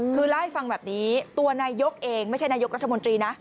คือเล่าให้ฟังแบบนี้ตัวนายกเองไม่ใช่นายกรัฐมนตรีนะ